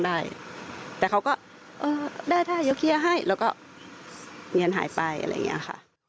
ได้แต่เขาก็ได้กี้ให้แล้วก็เงียนหายไปอะไรเงี้ยค่ะ